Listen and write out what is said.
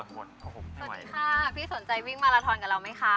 สวัสดีค่ะพี่สนใจวิ่งมาราทอนกับเราไหมคะ